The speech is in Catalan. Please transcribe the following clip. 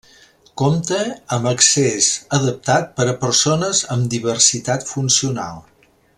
Compta amb accés adaptat per a persones amb diversitat funcional.